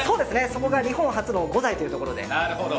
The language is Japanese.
そこが日本初の５台ということで。